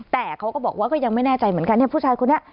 แต่เขาก็บอกว่าก็ยังไม่แน่ใจเหมือนกันเนี่ยผู้ชายคนนี้